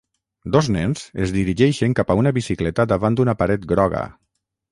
Dos nens es dirigeixen cap a una bicicleta davant d'una paret groga.